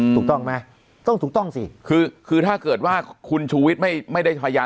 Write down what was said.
ถูกต้องไหมต้องถูกต้องสิคือคือถ้าเกิดว่าคุณชูวิทย์ไม่ไม่ได้พยาน